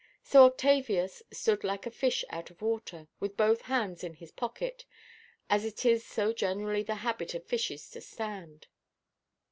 So Octavius stood like a fish out of water, with both hands in his pocket, as it is so generally the habit of fishes to stand.